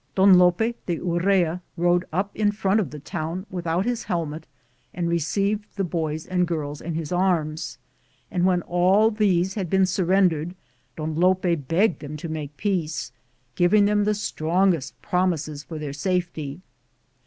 Don Lope de Urrea rode up in front of the town without his helmet and received the boys and girls in his arms, and when all of these had been surrendered, Don Lope begged them to make peace, giving them the strongest promises for their safety.